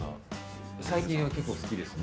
最近は結構好きですね。